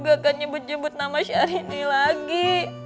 gak akan nyebut nyebut nama syahrini lagi